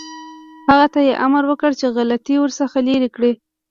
هغه ته یې امر وکړ چې غلطۍ ورڅخه لرې کړي.